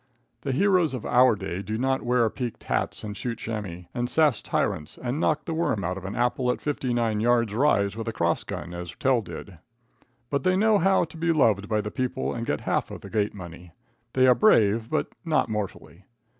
The heroes of our day do not wear peaked hats and shoot chamois, and sass tyrants and knock the worm out of an apple at fifty nine yards rise with a cross gun, as Tell did, but they know how to be loved by the people and get half of the gate money. They are brave, but not mortally.